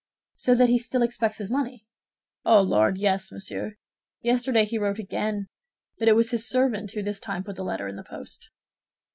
"So that he still expects his money?" "Oh, Lord, yes, monsieur! Yesterday he wrote again; but it was his servant who this time put the letter in the post."